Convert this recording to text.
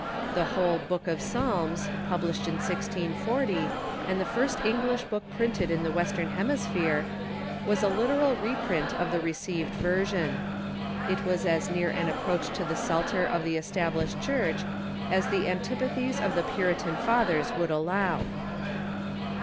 The "Whole Book of Psalms," published in 1640, and the first English book printed in the western hemisphere, was a literal reprint of the received version. It was as near an approach to the Psalter of the Established Church as the antip athies of the Puritan fathers would allow.